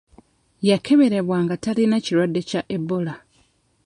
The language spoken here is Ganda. Yakeberwa nga talina kirwadde kya Ebola.